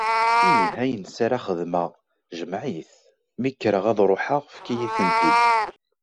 Ihi, ayen s ara xedmeɣ jmeɛ-it, mi kreɣ ad ruḥeɣ, efk-iyi-ten-id.